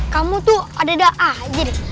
kamu tuh ada da'ah aja deh